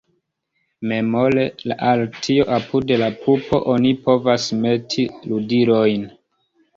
Memore al tio apud la pupo oni povas meti ludilojn.